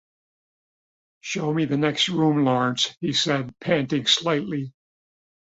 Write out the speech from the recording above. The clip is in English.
"Show me the next room, Lawrence," he said, panting slightly.